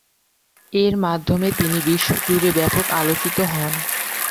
এর মাধ্যমে তিনি বিশ্বজুড়ে ব্যাপক আলোচিত হন।